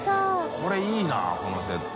これいいなこのセット。